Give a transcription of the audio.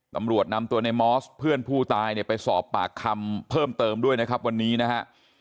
ตำรวจนำตัวในมอสเพื่อนผู้ตายเนี่ยไปสอบปากคำเพิ่มเติมด้วยนะครับวันนี้นะฮะ